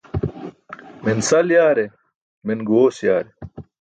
Men sal yaare, men guẏoos yaare.